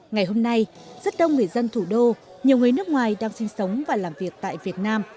ngày hôm nay rất đông người dân thủ đô nhiều người nước ngoài đang sinh sống và làm việc tại việt nam